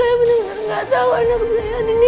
saya benar benar nggak tahu anak saya ini